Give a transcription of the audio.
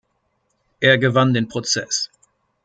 Er gewann den Prozess.